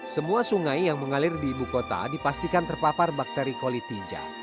semua sungai yang mengalir di ibu kota dipastikan terpapar bakteri kolitinja